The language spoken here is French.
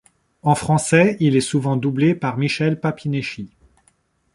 En Français il est souvent doublé par Michel Papineschi.